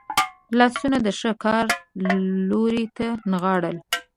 لاسونه د ښه کار لوري ته نغاړل.